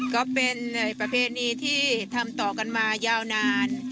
ก็เป็นประเพณีที่ทำต่อกันมายาวนาน